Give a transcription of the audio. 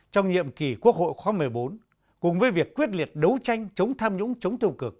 trong nhiệm kỳ quốc hội khóa một mươi bốn cùng với việc quyết liệt đấu tranh chống tham nhũng chống tiêu cực